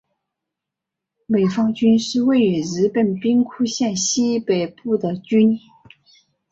美方郡是位于日本兵库县西北部的郡。